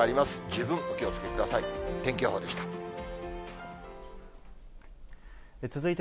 十分お気をつけください。